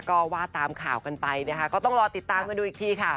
ก็ว่าตามข่าวกันไปนะคะก็ต้องรอติดตามกันดูอีกทีค่ะ